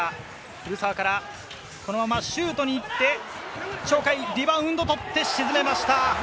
古澤からそのままシュートに行って、鳥海がリバウンドを取って沈めました。